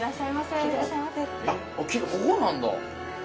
ここなんだ。